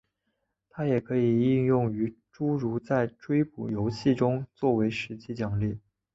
它也可以应用于诸如在追捕游戏中做为实际奖励。